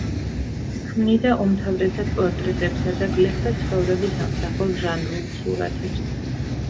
ქმნიდა უმთავრესად პორტრეტებსა და გლეხთა ცხოვრების ამსახველ ჟანრულ სურათებს.